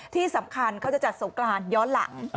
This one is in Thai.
ที่สำคัญก็จะจัดสการย้อนหลัง